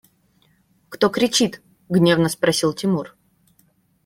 – Кто кричит? – гневно спросил Тимур.